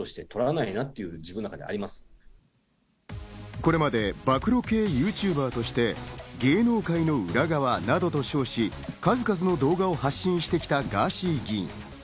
これまで暴露系ＹｏｕＴｕｂｅｒとして、芸能界の裏側などと称し、数々の動画を発信してきたガーシー議員。